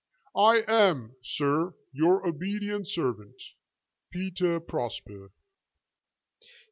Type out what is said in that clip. I am, sir, your obedient servant, PETER PROSPER."